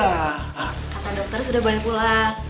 kata dokter sudah boleh pulang